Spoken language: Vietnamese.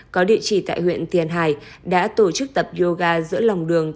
có địa chỉ tại huyện tiền hải đã tổ chức tập yoga giữa lòng đường